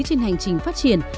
trên hành trình phát triển